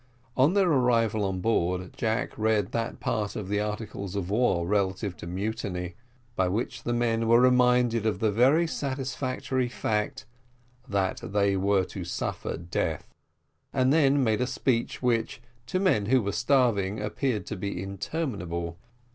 On their arrival on board Jack read that part of the articles of war relative to mutiny, by which the men were reminded of the very satisfactory fact, "that they were to suffer death;" and then made a speech which, to men who were starving, appeared to be interminable.